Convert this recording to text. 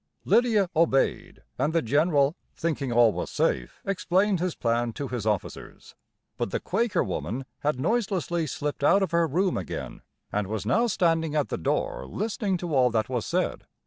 Lydia obeyed, and the general, thinking all was safe, explained his plan to his officers. But the Quaker woman had noiselessly slipped out of her room again, and was now standing at the door listening to all that was said.